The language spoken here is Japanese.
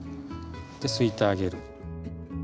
ですいてあげる。